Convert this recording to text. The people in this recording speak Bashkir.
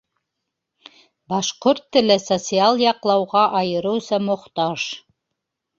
Башҡорт теле социаль яҡлауға айырыуса мохтаж.